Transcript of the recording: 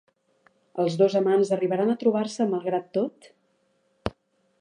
Els dos amants arribaran a trobar-se malgrat tot?